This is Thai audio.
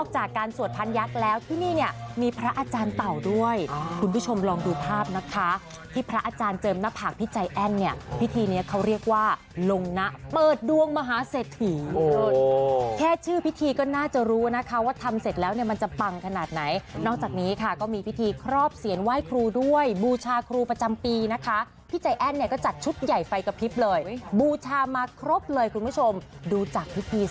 จากการสวดพันยักษ์แล้วที่นี่เนี่ยมีพระอาจารย์เป่าด้วยคุณผู้ชมลองดูภาพนะคะที่พระอาจารย์เจิมหน้าผากพี่ใจแอ้นเนี่ยพิธีเนี่ยเขาเรียกว่าลงนะเปิดดวงมหาเสถียนแค่ชื่อพิธีก็น่าจะรู้นะคะว่าทำเสร็จแล้วเนี่ยมันจะปังขนาดไหนนอกจากนี้ค่ะก็มีพิธีครอบเสียงไหว้ครูด้วยบูชาครูประจำปีนะคะพี่ใ